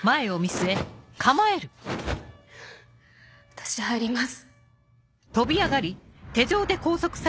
私入ります。